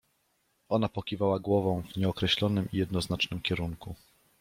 Ona pokiwała głową w nieokreślonym i jednoznacznym kierunku.